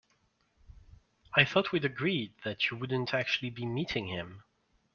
I thought we'd agreed that you wouldn't actually be meeting him?